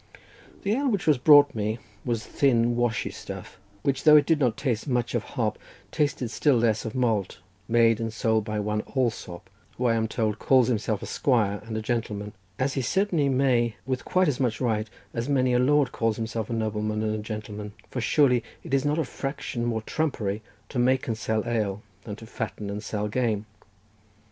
The ale which was brought me was thin, washy stuff, which though it did not taste much of hop, tasted still less of malt, made and sold by one Allsopp, who I am told calls himself a squire and a gentleman—as he certainly may be with quite as much right as many a lord calls himself a nobleman and a gentleman; for surely it is not a fraction more trumpery to make and sell ale than to fatten and sell game.